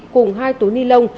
cùng hai tố ni lông